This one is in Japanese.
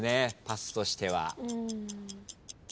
パスとしては。